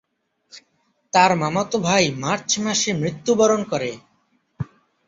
তার মামাতো ভাই মার্চ মাসে মৃত্যুবরণ করে।